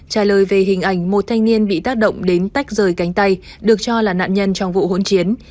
trả lời về hình ảnh một thanh niên bị tác động đến tách rời cánh tay được cho là nạn nhân trong vụ hỗn chiến